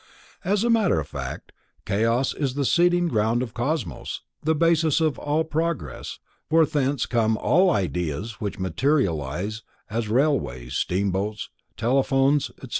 As a matter of fact, Chaos is the seed ground of Cosmos, the basis of all progress, for thence come all IDEAS which later materialize as Railways, Steamboats, Telephones, etc.